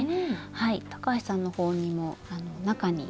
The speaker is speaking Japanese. はい高橋さんのほうにも中に。